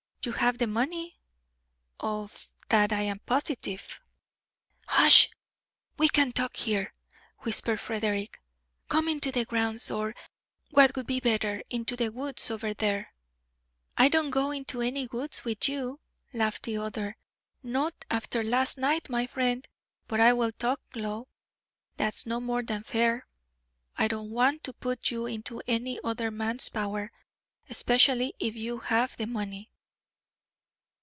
You have the money; of that I am positive." "Hush! We can't talk here," whispered Frederick. "Come into the grounds, or, what would be better, into the woods over there." "I don't go into any woods with you," laughed the other; "not after last night, my friend. But I will talk low; that's no more than fair; I don't want to put you into any other man's power, especially if you have the money."